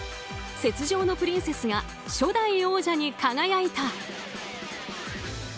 雪上のプリンセスが初代王者に輝いた。